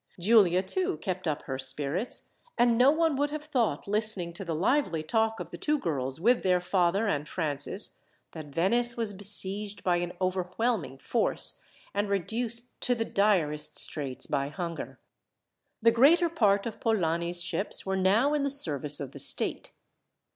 Giulia, too, kept up her spirits, and no one would have thought, listening to the lively talk of the two girls with their father and Francis, that Venice was besieged by an overwhelming force, and reduced to the direst straits by hunger. The greater part of Polani's ships were now in the service of the state.